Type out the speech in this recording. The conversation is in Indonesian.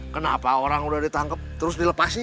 kenapa orang udah ditangkep terus dilepasin